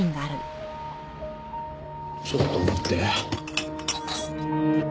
ちょっと待って。